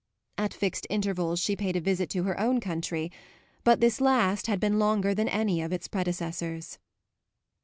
At fixed intervals she paid a visit to her own country; but this last had been longer than any of its predecessors.